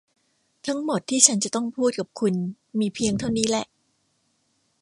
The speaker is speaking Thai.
ทั้งหมดที่ฉันจะต้องพูดกับคุณมีเพียงเท่านี้แหล่ะ !